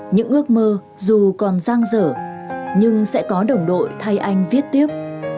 những ước mơ dù còn giang dở nhưng sẽ có đồng đội thay anh viết tiếp